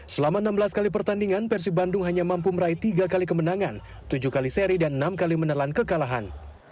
selama enam belas kali pertandingan persib bandung hanya mampu meraih tiga kali kemenangan tujuh kali seri dan enam kali menelan kekalahan